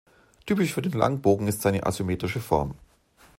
Typisch für den Langbogen ist seine asymmetrische Form.